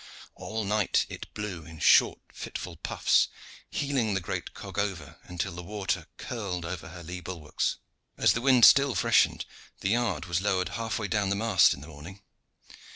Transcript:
All night it blew in short fitful puffs, heeling the great cog over until the water curled over her lee bulwarks. As the wind still freshened the yard was lowered half way down the mast in the morning.